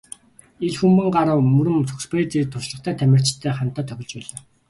Лхүмбэнгарав, Мөрөн, Төгсбаяр зэрэг туршлагатай тамирчидтай хамтдаа тоглож байлаа.